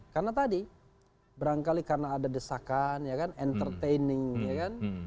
karena tadi berangkali karena ada desakan ya kan entertaining ya kan